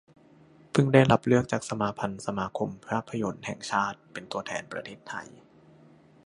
เพิ่งได้รับเลือกจากสมาพันธ์สมาคมภาพยนตร์แห่งชาติ เป็นตัวแทนประเทศไทย